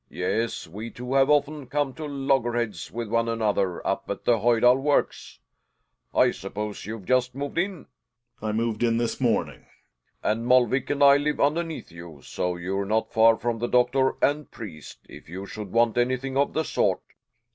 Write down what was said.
Yes, we two have often come to loggerheads with one another up at the Hojdal Works. I suppose you've just moved in ? Gkegers. I moved in this morning. Helling. And Molvik and I live underneath you, so you're not far from the doctor and priest, if you should want anything of the sort.